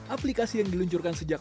aplikasi yang diluncurkan sejak